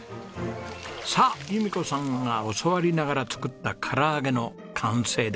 さあ由美子さんが教わりながら作った唐揚げの完成ですね。